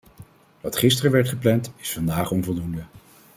Wat gisteren werd gepland is vandaag onvoldoende.